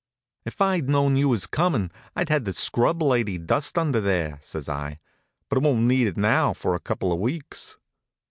"If I'd known you was comin', I'd had the scrub lady dust under there," says I; "but it won't need it now for a couple of weeks."